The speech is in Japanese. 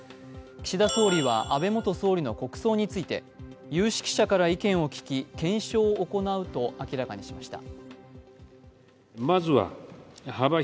岸田総理は安倍元総理の国葬について有識者から意見を聞き検証を行うと明らかにしました。